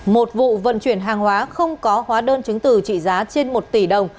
một vụ vận chuyển hàng hóa không có hóa đơn chứng từ trị giá trên một tỷ đồng